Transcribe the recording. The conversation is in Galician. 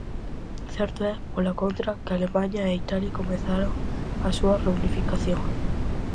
Certo é, pola contra, que Alemaña e Italia comezaran a súa reunificación.